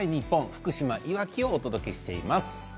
福島いわきをお届けしています。